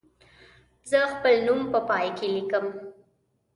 زه خپل نوم په پای کې لیکم.